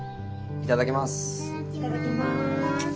いただきます。